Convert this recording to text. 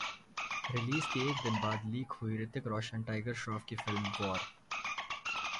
release के एक दिन बाद लीक हुई ऋतिक रोशन-टाइगर श्रॉफ की फिल्म वॉर